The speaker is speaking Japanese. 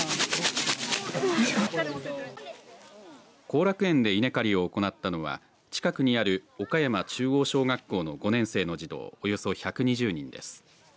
後楽園で稲刈りを行ったのは近くにある岡山中央小学校の５年生の児童およそ１２０人です。